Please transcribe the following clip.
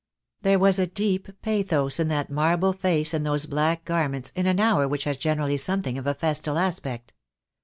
There was a deep pathos in that marble face and those black garments in an hour which has generally something of a festal aspect.